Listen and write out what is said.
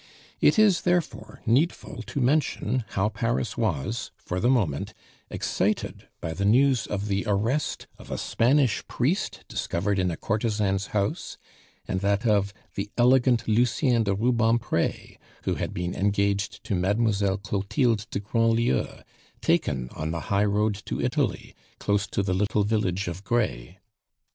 It is, therefore, needful to mention how Paris was, for the moment, excited by the news of the arrest of a Spanish priest, discovered in a courtesan's house, and that of the elegant Lucien de Rubempre, who had been engaged to Mademoiselle Clotilde de Grandlieu, taken on the highroad to Italy, close to the little village of Grez.